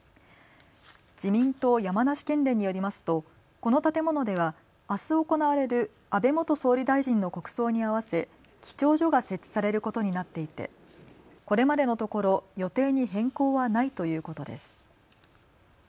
自民党山梨県連によりますとこの建物ではあす行われる安倍元総理大臣の国葬に合わせ記帳所が設置されることになっていてこれまでのところ、予定に変更はないということです。